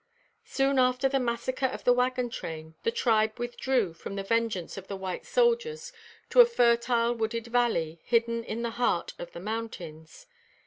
Soon after the massacre of the wagon train, the tribe withdrew from the vengeance of the white soldiers to a fertile, wooded valley, hidden in the heart of the mountains.